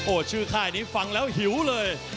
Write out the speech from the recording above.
ชื่อค่ายนี้ฟังแล้วหิวเลย